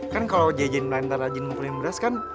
kan kalau jejen lain lain rajin mukulin beras kan